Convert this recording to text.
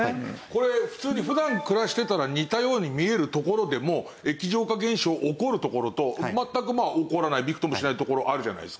これ普通に普段暮らしてたら似たように見える所でも液状化現象起こる所と全く起こらないびくともしない所あるじゃないですか。